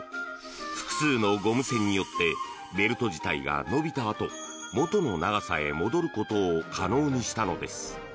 複数のゴム線によってベルト自体が伸びたあと元の長さへ戻ることを可能にしたのです。